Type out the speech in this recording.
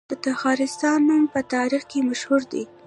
د تخارستان نوم په تاریخ کې مشهور دی